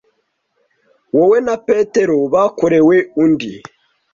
Wowe na Petero bakorewe undi.